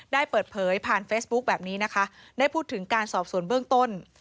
ได้เปิดเผยผ่านเฟซบุ๊คแบบนี้นะคะได้พูดถึงการสอบสวนเบื้องต้น